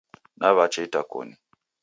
Nawacha itakoni